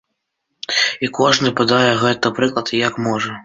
І кожны падае гэты прыклад, як можа.